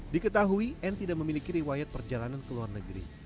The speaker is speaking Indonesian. diketahui n tidak memiliki riwayat perjalanan ke luar negeri